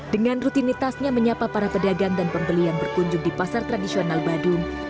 dengan rutinitasnya menyapa para pedagang dan pembeli yang berkunjung di pasar tradisional badung